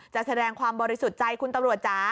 แสดงความบริสุทธิ์ใจคุณตำรวจจ๋า